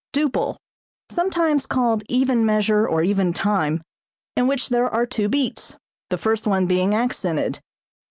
Duple (sometimes called even measure, or even time), in which there are two beats, the first one being accented.